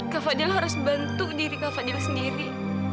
kak fadil harus bantu diri kak fadil sendiri